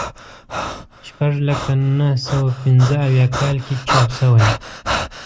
شپږ لکه نهه سوه پنځه اویا کال کې چاپ شوی.